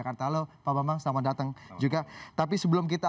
kalau saya bodoh ajarin saya